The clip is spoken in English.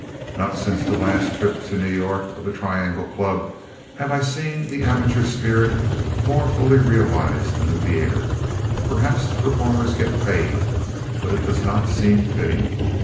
Not since the last trip to New York of the Triangle Club have I seen the amateur spirit more fully realized in the theater. Perhaps the performers get paid, but it does not seem fitting.